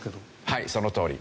はいそのとおり。